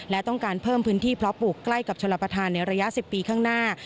และต้องการเพิ่มพื้นที่เพราะปลูกใกล้กับชลประธานในระยะ๑๐ปีข้างหน้า